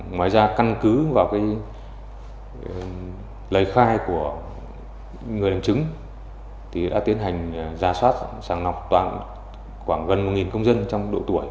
ngoài ra căn cứ vào lấy khai của người đánh trứng đã tiến hành ra soát sàng nọc toàn khoảng gần một công dân trong độ tuổi